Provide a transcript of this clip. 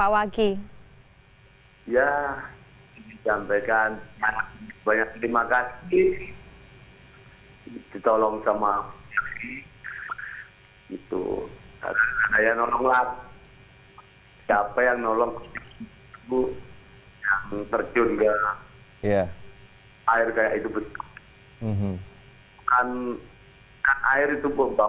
hai itu saya nolong siapa yang nolong bu terjun ya air kayak itu bukan air itu bomba